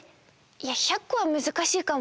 いや１００こはむずかしいかも。